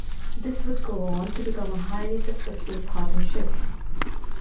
This would go on to become a highly successful partnership.